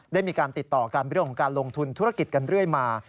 ได้มีการติดต่อกันเรื่องของการลงทุนธุรกิจกันเรื่อยมา